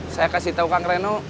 saya kasih tahu kang reno